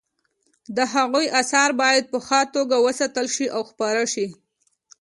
د هغوی اثار باید په ښه توګه وساتل شي او خپاره شي